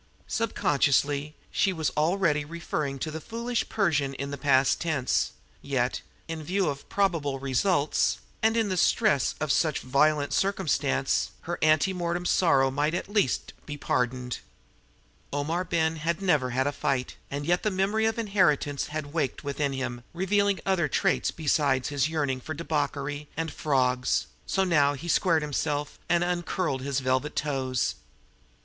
Sub consciously, she was already referring to the foolish Persian in the past tense; yet, in view of probable results, and in the stress of such violent circumstance, her anti mortem sorrow might at least be pardoned. Omar Ben had never had a fight, and yet the memory of inheritance had waked within him, revealing other traits besides his yearning for debauchery and "frawgs"; so now he squared himself and uncurled his velvet toes.